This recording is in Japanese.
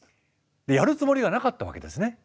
やるつもりはなかったわけですね。